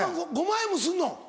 ５万円もすんの？